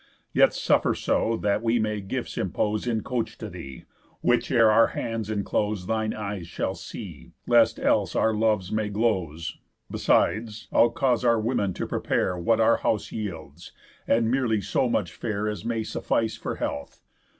Yet suffer so, that we may gifts impose In coach to thee; which ere our hands inclose, Thine eyes shall see, lest else our loves may glose. Besides, I'll cause our women to prepare What our house yields, and merely so much fare As may suffice for health.